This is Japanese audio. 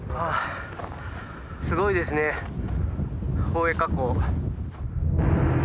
すごいですね宝永火口。